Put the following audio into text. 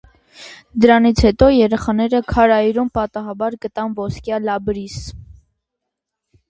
Դրանից հետո երեխաները քարայրում պատահաբար գտան ոսկյա լաբրիս։